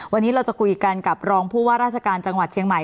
วันนี้เราจะคุยกันกับรองผู้ว่าราชการจังหวัดเชียงใหม่